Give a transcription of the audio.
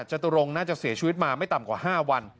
จตุรงค์น่าจะเสียชีวิตมาไม่ต่ำกว่า๕วัน